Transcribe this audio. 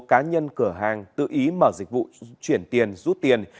cá nhân cửa hàng tự ý mở dịch vụ chuyển tiền rút tiền